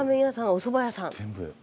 おそば屋さん。